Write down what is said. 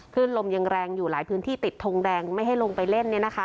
ขึ้นลมยังแรงอยู่หลายพื้นที่ติดทงแดงไม่ให้ลงไปเล่น